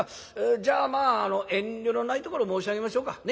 じゃあ遠慮のないところ申し上げましょうか。ね？